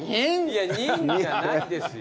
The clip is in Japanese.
いやニン！じゃないですよ。